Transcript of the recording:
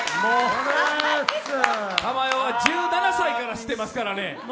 珠代は１７歳からしてますからね。